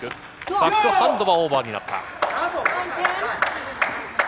バックハンドはオーバーになった。